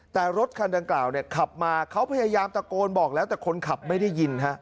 แต่รถคันดังกล่าวเนี่ยขับมาเขาพยายามตะโกนบอกแล้วแต่คนขับไม่ได้ยิน